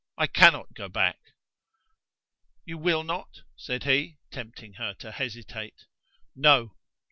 I cannot go back." "You will not?" said he, tempting her to hesitate. "No."